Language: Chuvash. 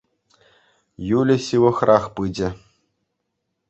Юля ҫывӑхарах пычӗ.